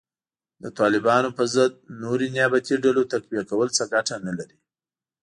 د طالبانو په ضد نورې نیابتي ډلو تقویه کول څه ګټه نه لري